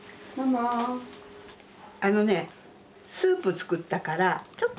あのねスープ作ったからちょっと。